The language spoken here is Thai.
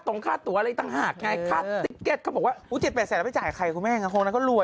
แต่ค่าตัวเลยต่างหาก